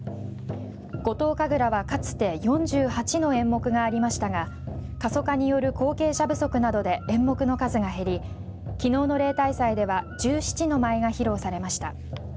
五島神楽はかつて４８の演目がありましたが過疎化による後継者不足などで演目の数が減りきのうの例大祭では１７の舞が披露されました。